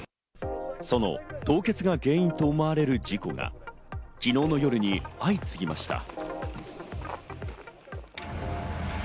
その凍結が原因と思われる事故が昨日の夜に相次ぎました。